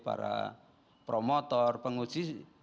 para promotor penguji